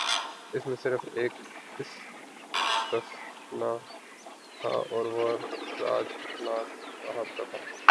اس میں صرف ایک استثنا تھا اور وہ راج ناتھ صاحب کا تھا۔